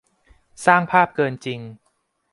สร้างภาพเกินจริง